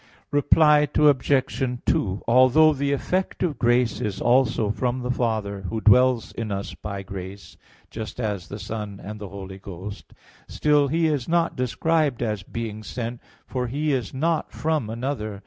Reply Obj. 2: Although the effect of grace is also from the Father, Who dwells in us by grace, just as the Son and the Holy Ghost, still He is not described as being sent, for He is not from another.